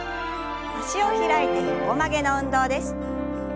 脚を開いて横曲げの運動です。